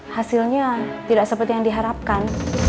hasilnya tidak seperti yang diharapkan